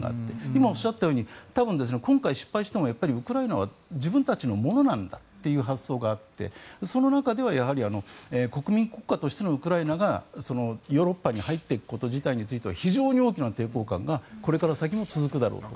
今、おっしゃったように多分、今回失敗してもウクライナは自分たちのものなんだという発想があってその中ではやはり国民国家としてのウクライナがヨーロッパに入っていくこと自体については非常に大きな抵抗感がこれから先も続くだろうと。